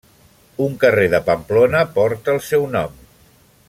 Un carrer de Pamplona porta el seu nom.